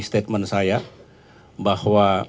statement saya bahwa